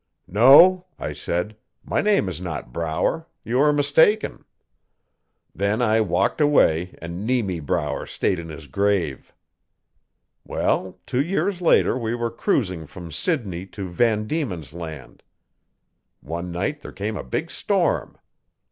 '"No," I said, "my name is not Brower. You are mistaken." 'Then I walked away and Nemy Brower stayed in his grave. 'Well, two years later we were cruising from Sidney to Van Dieman's Land. One night there came a big storm.